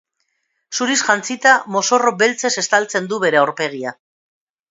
Zuriz jantzita, mozorro beltzez estaltzen du bere aurpegia.